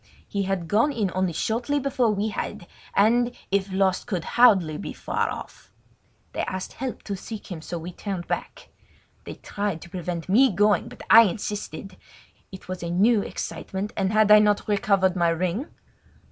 He had gone in only shortly before we had, and, if lost, could hardly be far off. They asked help to seek him, so we turned back. They tried to prevent me going, but I insisted. It was a new excitement, and had I not recovered my ring?